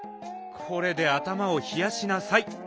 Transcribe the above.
これであたまをひやしなさい。